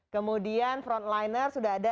kemudian frontliner sudah ada